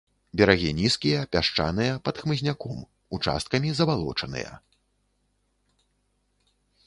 Берагі нізкія, пясчаныя, пад хмызняком, участкамі забалочаныя.